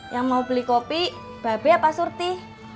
yang mau beli kopi babe apa surti